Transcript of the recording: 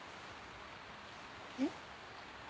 えっ？